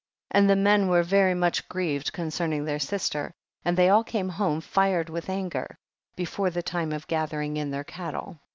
20. And the men were very much grieved concerning their sister, and they all came home fired witii anger, before the time of gathering in their cattle.